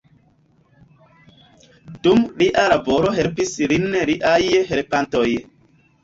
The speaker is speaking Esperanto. Dum lia laboro helpis lin liaj helpantoj.